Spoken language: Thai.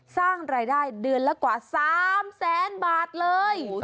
สร้างรายได้เดือนละกว่า๓แสนบาทเลย